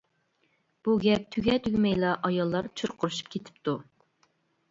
بۇ گەپ تۈگە تۈگمەيلا ئاياللار چۇرقىرىشىپ كېتىپتۇ!